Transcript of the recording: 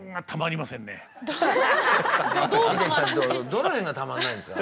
どの辺がたまんないんですか？